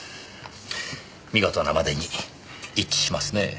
見事なまでに一致しますねえ。